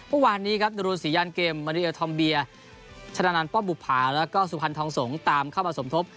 วันวันนี้ครับนรศรียานเกมมริเอลธอมเบียร์ชนานานป้อบบุภาแล้วก็สุพรรณทองสงศ์ตามเข้ามาสมทบ